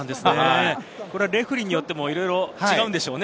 レフェリーによってもいろいろ違うのでしょうね。